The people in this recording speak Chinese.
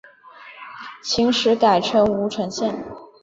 秦时改称乌程县。